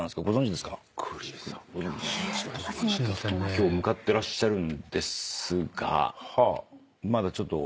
今日向かってらっしゃるんですがまだちょっと。